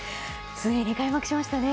ついに開幕しましたね！